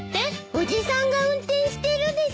おじさんが運転してるです。